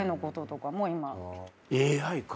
ＡＩか。